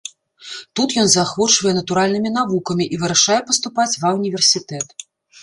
Тут ён заахвочвае натуральнымі навукамі і вырашае паступаць ва ўніверсітэт.